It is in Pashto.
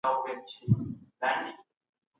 ولي کندهار کي د صنعت لپاره پلان جوړونه مهمه ده؟